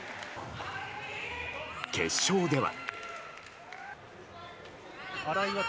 決勝では。